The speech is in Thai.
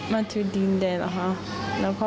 มาถึงดินแดนหรือคะ